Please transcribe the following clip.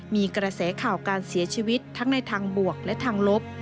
มีกระแสข่าวการเสียชีวิตทั้งในทางบวกและทางลบ